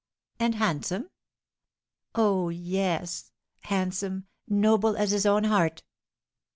"And handsome?" "Oh, yes! Handsome, noble as his own heart."